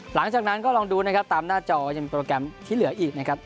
หลังจากนั้นก็ลองดูนะครับตามหน้าจอยังโปรแกรมที่เหลืออีกนะครับ